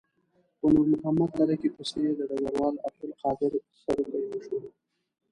په نور محمد تره کي پسې یې د ډګروال عبدالقادر سروکي مشهور وو.